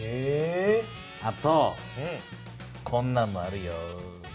あとこんなんもあるよ。